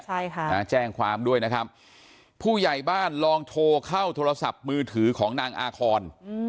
ใช่ค่ะนะแจ้งความด้วยนะครับผู้ใหญ่บ้านลองโทรเข้าโทรศัพท์มือถือของนางอาคอน